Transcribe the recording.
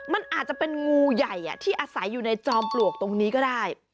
มันอาจจะเป็นงูใหญ่ที่อาศัยอยู่ในจอมปลวกตรงนี้ก็ได้